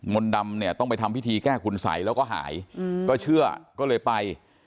มนต์ดำเนี่ยต้องไปทำพิธีแก้คุณสัยแล้วก็หายก็เชื่อก็เลยไป